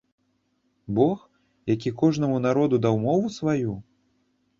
Бог, які кожнаму народу даў мову сваю?